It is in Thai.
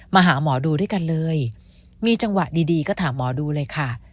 มาหาหมอดูด้วยกันเลยมีจังหวะดีก็ถามหมอดูเลยค่ะ